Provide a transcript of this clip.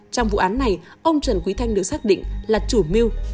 trong vụ án này ông trần quý thanh được xác định là chủ mưu